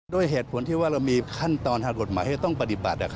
ด้วยเหตุผลที่ว่าเรามีขั้นตอนทางกฎหมายที่จะต้องปฏิบัติ